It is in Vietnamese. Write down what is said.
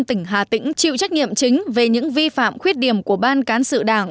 tỉnh hà tĩnh chịu trách nhiệm chính về những vi phạm khuyết điểm của ban cán sự đảng